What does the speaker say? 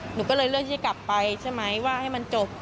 หนูก็เลยเลือกที่จะกลับไปใช่ไหมว่าให้มันจบ